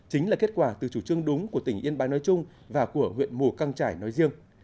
chính là kết quả từ chủ trương đúng của tỉnh yên bái nói chung và của huyện mù căng trải nói riêng